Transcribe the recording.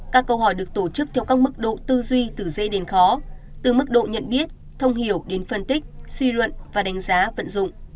các câu hỏi được tổ chức theo các mức độ tư duy từ dễ đến khó từ mức độ nhận biết thông hiểu đến phân tích suy luận và đánh giá vận dụng